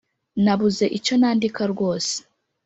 Nabuze icyo nandika rwose